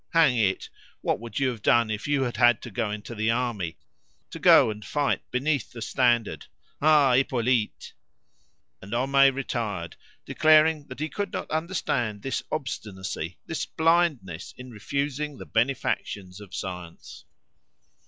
Hang it! what would you have done if you had had to go into the army, to go and fight beneath the standard? Ah! Hippolyte!" And Homais retired, declaring that he could not understand this obstinacy, this blindness in refusing the benefactions of science.